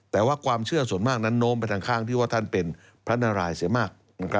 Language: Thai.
แต่ว่าความเชื่อส่วนมากนั้นโน้มไปทางข้างที่ว่าท่านเป็นพระนารายเสียมาก